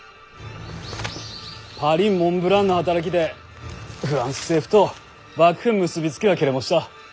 パリんモンブランの働きでフランス政府と幕府ん結び付きは切れもした。